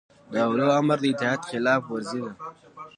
د اولوامر د اطاعت خلاف ورزي ده